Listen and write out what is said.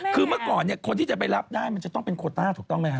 คือเมื่อก่อนเนี่ยคนที่จะไปรับได้มันจะต้องเป็นโคต้าถูกต้องไหมฮ